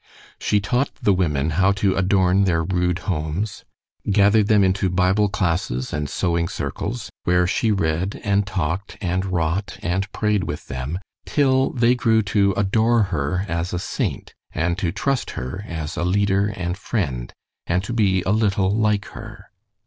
She taught the women how to adorn their rude homes, gathered them into Bible classes and sewing circles, where she read and talked and wrought and prayed with them till they grew to adore her as a saint, and to trust her as a leader and friend, and to be a little like her.